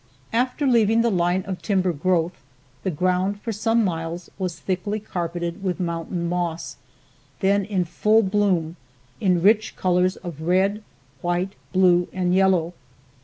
After leaving the line of timber growth, the ground for some miles was thickly carpeted with mountain moss, then in full bloom in rich colors of red, white, blue and yellow.